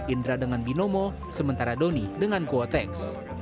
indra dengan binomo sementara doni dengan quotex